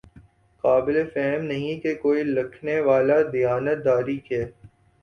قابل فہم نہیں کہ کوئی لکھنے والا دیانت داری کے